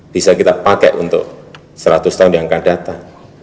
bisa kita pakai untuk seratus tahun yang akan datang